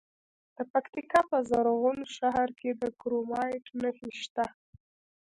د پکتیکا په زرغون شهر کې د کرومایټ نښې شته.